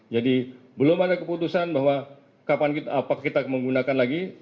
jadi belum ada keputusan bahwa kapan kita apa kita menggunakan lagi